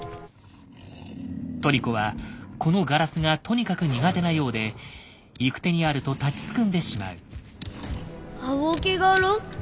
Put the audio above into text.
トリコはこのガラスがとにかく苦手なようで行く手にあると立ちすくんでしまう。